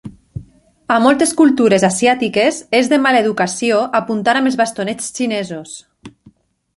A moltes cultures asiàtiques és de mala educació apuntar amb els bastonets xinesos.